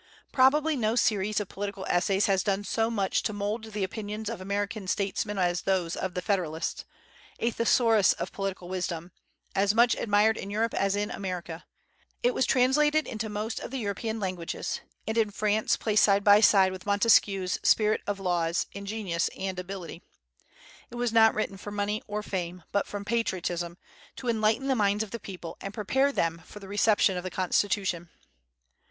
Probably no series of political essays has done so much to mould the opinions of American statesmen as those of "The Federalist," a thesaurus of political wisdom, as much admired in Europe as in America. It was translated into most of the European languages, and in France placed side by side with Montesquieu's "Spirit of Laws" in genius and ability. It was not written for money or fame, but from patriotism, to enlighten the minds of the people, and prepare them for the reception of the Constitution.